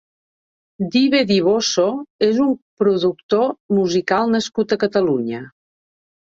Dive Dibosso és un productor musical nascut a Catalunya.